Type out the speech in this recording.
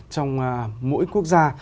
trong mỗi quốc gia